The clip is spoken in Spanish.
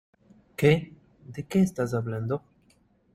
¿ Qué? ¿ de qué estás hablando ?